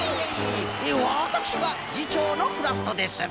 わたくしがぎちょうのクラフトです。